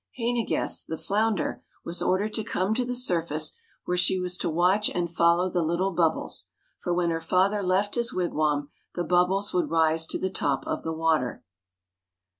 Hānāguess, the Flounder, was ordered to come to the surface, where she was to watch and follow the little bubbles; for when her father left his wigwam, the bubbles would rise to the top of the water.